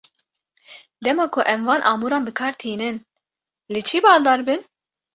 Dema ku em van amûran bi kar tînin, li çi baldar bin?